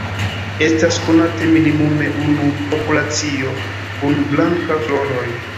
Estas konate minimume unu populacio kun blanka floroj.